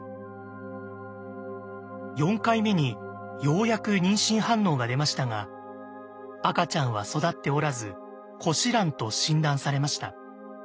４回目にようやく妊娠反応が出ましたが赤ちゃんは育っておらず枯死卵と診断されました。